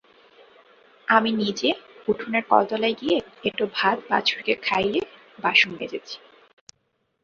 আমি নিজে উঠোনের কলতলায় গিয়ে এঁটো ভাত বাছুরকে খাইয়ে বাসন মেজেছি।